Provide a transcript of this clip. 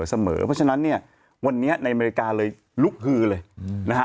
เพราะฉะนั้นเนี่ยวันนี้ในอเมริกาเลยลุกฮือเลยนะฮะ